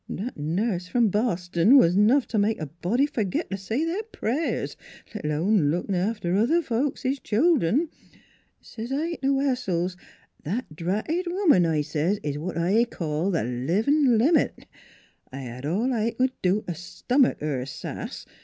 That nurse from Boston was 'nough t' make a body fergit t' say their pray'rs let alone lookin' after other folk's children. 'S I says t' Wessells, * That dratted woman,' I says, ' is what I call th' livin' limit.' I hed all I c'd do t' stomick her sass.